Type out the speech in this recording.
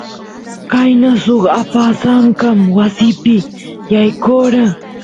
qayna suk apasanka wasipi yaykora